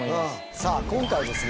さあ今回はですね